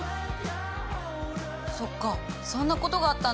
そっかそんなことがあったんだね。